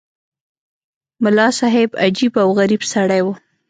ملا صاحب عجیب او غریب سړی وو.